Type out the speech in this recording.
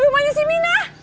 namanya si pominah